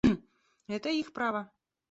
Это их право.